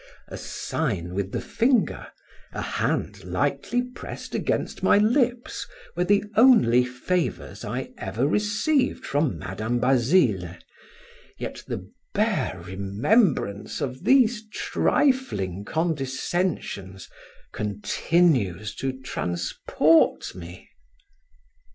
A sign with the finger, a hand lightly pressed against my lips, were the only favors I ever received from Madam Basile, yet the bare remembrance of these trifling condescensions continues to transport me.